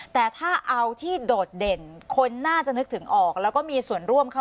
แต่ถ้าเอาที่โดดเด่นคนน่าจะนึกถึงออกแล้วก็มีส่วนร่วมเข้า